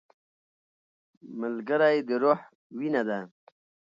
ملګری د روح وینه ده